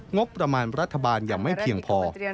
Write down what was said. งบประมาณรัฐบาลยังไม่เพียงพอ